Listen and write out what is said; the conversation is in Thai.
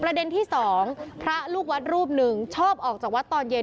ที่สองพระลูกวัดรูปหนึ่งชอบออกจากวัดตอนเย็น